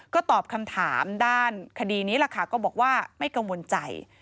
ก็ตอบคำถามด้านคดีนี้ล่ะค่ะก็บอกว่าไม่กังวลใจ